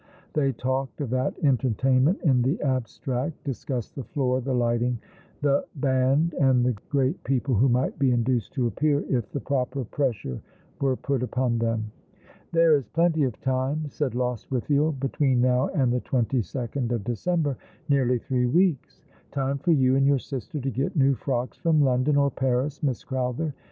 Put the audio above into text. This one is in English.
They talked of that entertainment in the abstract — discussed the floor — the lighting — the band — and the great people who might be induced to appear, if the proper pressure were put upon them. " There is plenty of time," said Lostwithiel, " between now and the twenty second of December— nearly three weeks. Time for you and your sister to get new frocks from London or Paris, Lliss Crowther.